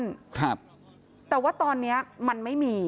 ครับแต่ว่าตอนเนี้ยมันไม่มี